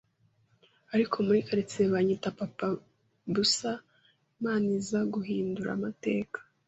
ariko muri Karitsiye banyitaga Papa BUSA, Imana iza guhindura amateka.